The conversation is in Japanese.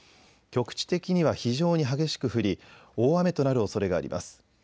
局地的には非常に激しく降り大雨となるおそれがあります。